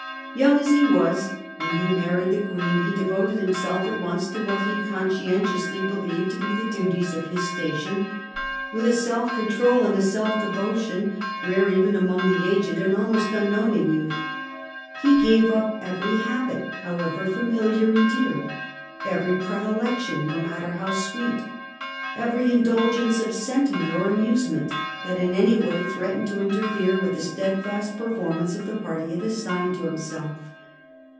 Young as he was when he married the Queen, he devoted himself at once to what he con scientiously believed to be the duties of his station with a self control and self devotion rare even among the aged, and almost unknown in youth. He gave up every habit, however familiar and dear, every pre dilection no matter how sweet, every indulgence of sentiment or amusement, that in any way threatened to interfere with the steadfast performance of the part he had assigned to himself.